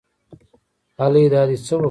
الۍ دا دې څه وکړه